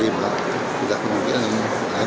tidak kemungkinan tidak kemungkinan yang pertama